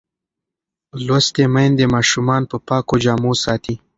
لوستې میندې ماشومان په پاکو جامو ساتي.